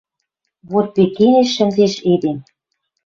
Вот пӧкенеш шӹнзеш эдем